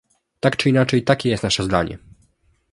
Tak czy inaczej, takie jest nasze zdanie!